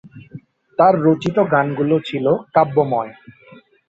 তার রচিত গানগুলি ছিল কাব্যময়।